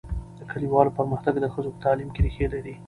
د کلیوالو پرمختګ د ښځو په تعلیم کې ریښې لري.